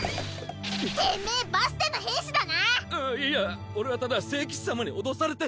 てめぇバステの兵士だな⁉あっいや俺はただ聖騎士様に脅されて。